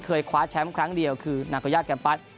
เคยควาร์ดแชมป์ครั้งเดียวคือนาโกยากรัมปัส